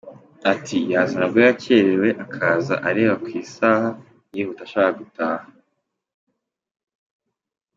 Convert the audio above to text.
Ati: “Yaza nabwo yakererewe, akaza areba ku isaha yihuta ashaka gutaha.